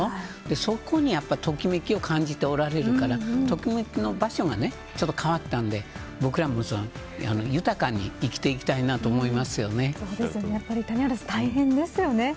そこにときめきを感じておられるからときめきの場所が変わったので僕らも、豊かに生きてい谷原さん、大変ですよね。